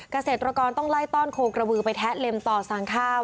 เกษตรกรต้องไล่ต้อนโคกระบือไปแทะเล็มต่อสั่งข้าว